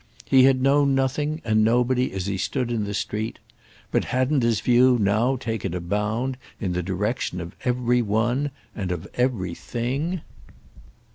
He had known nothing and nobody as he stood in the street; but hadn't his view now taken a bound in the direction of every one and of every thing?